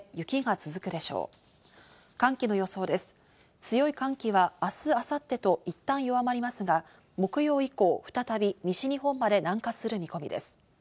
強い寒気は明日・明後日といったん弱まりますが、木曜以降、再び西日本まで南下する見込みです。